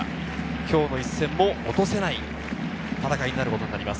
今日の一戦も落とせない戦いです。